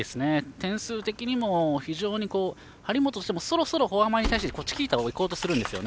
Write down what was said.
点数的にも非常に、張本としてもフォア前に対してチキータでいこうとするんです。